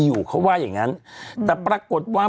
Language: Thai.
แต่อาจจะส่งมาแต่อาจจะส่งมา